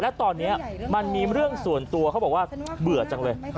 และตอนนี้มันมีเรื่องส่วนตัวเขาบอกว่าเบื่อจังเลย